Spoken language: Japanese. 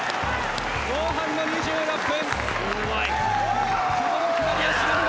後半の２６分。